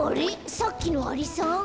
さっきのアリさん？